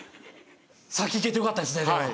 先いけてよかったですねでも。